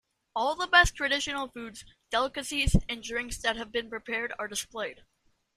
All the best traditional foods, delicacies and drinks that have been prepared are displayed.